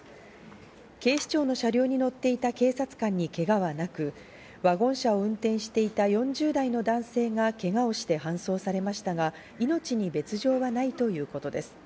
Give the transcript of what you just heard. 警視庁の車両に乗っていた警察官にけがはなく、ワゴン車を運転していた４０代の男性がけがをして搬送されましたが、命に別条はないということです。